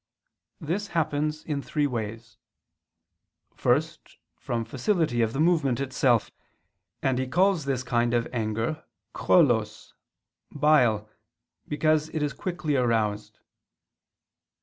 This happens in three ways. First from facility of the movement itself, and he calls this kind of anger cholos (bile) because it quickly aroused.